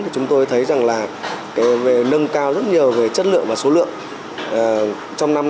chúng tôi thấy rằng là nâng cao rất nhiều về chất lượng và số lượng